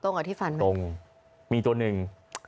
ตรงกับที่ฟันเหรอครับตรงมีตัวหนึ่ง